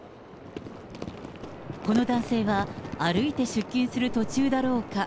この男性は、歩いて出勤する途中だろうか。